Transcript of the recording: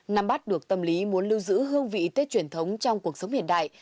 nắm bắt được tâm lý muốn lưu giữ hương vị tết truyền thống trong cuộc sống hiện đại